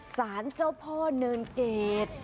สารเจ้าพ่อเนินเกรด